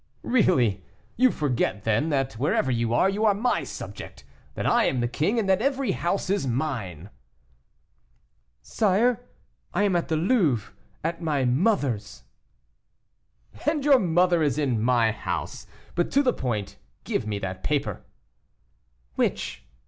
"Really, you forget, then, that wherever you are, you are my subject; that I am the king, and that every house is mine." "Sire, I am at the Louvre, at my mother's." "And your mother is in my house. But to the point give me that paper." "Which?"